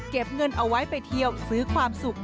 เงินเอาไว้ไปเที่ยวซื้อความสุข